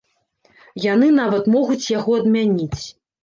Яны нават могуць яго адмяніць.